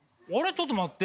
ちょっと待って。